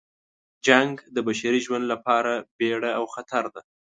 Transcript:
جنګ د بشري ژوند لپاره بیړه او خطر ده.